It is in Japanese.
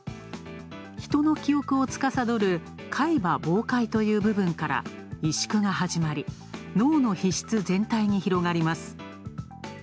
ヒトの記憶を司る海馬傍回という部分から萎縮が始まり、脳の皮質全体に広がります。